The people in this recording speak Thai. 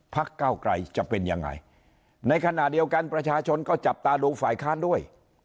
เก้าไกรจะเป็นยังไงในขณะเดียวกันประชาชนก็จับตาดูฝ่ายค้านด้วย